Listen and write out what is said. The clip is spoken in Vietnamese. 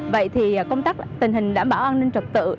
vậy thì công tác tình hình đảm bảo an ninh trật tự